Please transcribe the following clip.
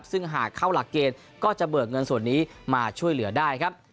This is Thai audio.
ซึ่งหากเข้าหลักเกณฑ์ก็จะเบิกเงินส่วนนี้มาช่วยเหลือได้ครับ